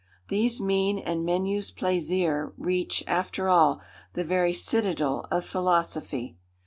These mean and menus plaisirs reach, after all, the very citadel of philosophy.